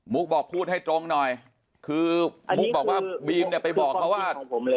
บอกพูดให้ตรงหน่อยคือมุกบอกว่าบีมเนี่ยไปบอกเขาว่า